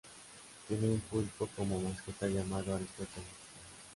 Tiene un pulpo como mascota llamado Aristóteles.